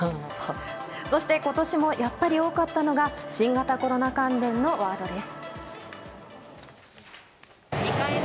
そして今年もやっぱり多かったのは新型コロナ関連のワードです。